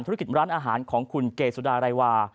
ธุรกิจร้านอาหารของคุณเกสุดารัยวา